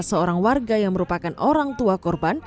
seorang warga yang merupakan orang tua korban